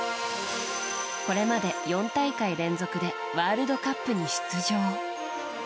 これまで４大会連続でワールドカップに出場。